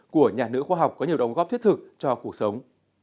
của nhà nữ khoa học có nhiều đồng góp thiết thực cho cuộc sống